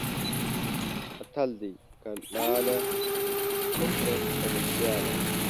متل دی: کلاله! وکړه خپله سیاله.